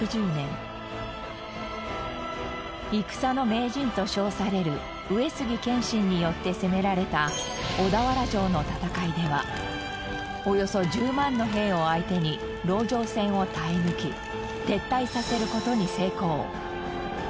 戦の名人と称される上杉謙信によって攻められた小田原城の戦いではおよそ１０万の兵を相手に籠城戦を耐え抜き撤退させる事に成功。